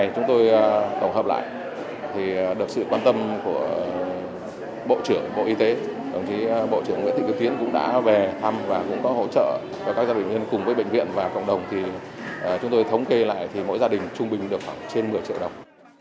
chúng tôi thống kê lại thì mỗi gia đình trung bình được khoảng trên một mươi triệu đồng